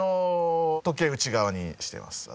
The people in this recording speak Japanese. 時計内側にしてます私。